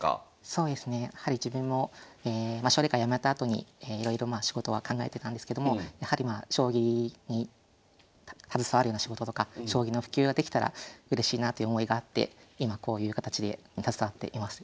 そうですねやはり自分も奨励会やめたあとにいろいろまあ仕事は考えてたんですけどもやはりまあ将棋に携わるような仕事とか将棋の普及ができたらうれしいなという思いがあって今こういう形で携わっています。